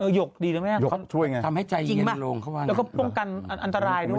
หยกดีหรือไม่ช่วยไงจริงป่ะแล้วก็ป้องกันอันตรายด้วย